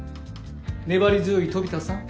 粘り強い飛田さん。